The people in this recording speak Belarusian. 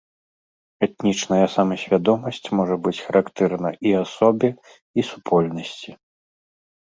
Этнічная самасвядомасць можа быць характэрна і асобе, і супольнасці.